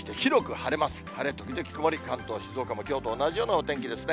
晴れ時々曇り、関東、静岡もきょうと同じようなお天気ですね。